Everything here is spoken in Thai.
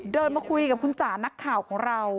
เดินมาคุยกับคุณจ๋านักข่าวของเรา